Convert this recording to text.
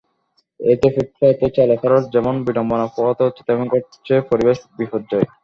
এতে ফুটপাতে চলাফেরায় যেমন বিড়ম্বনা পোহাতে হচ্ছে, তেমনি ঘটছে পরিবেশ বিপর্যয়।